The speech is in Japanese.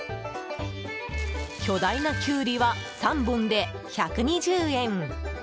巨大なキュウリは３本で１２０円。